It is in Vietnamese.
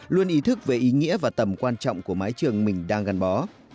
luôn ý thức về ý nghĩa và tầm quan trọng của mái trường mình đang gắn bó